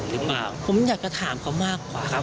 เพราะวันนี้จำนวนเค้าถามเค้าก็ไม่ได้บอกอะไร